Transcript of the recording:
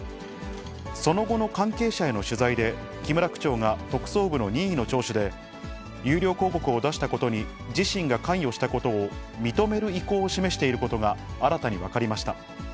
その後の関係者への取材で木村区長が特捜部の任意の聴取で、有料広告を出したことに自身が関与したことを認める意向を示していることが新たに分かりました。